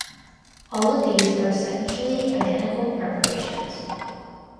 All of these are essentially identical preparations.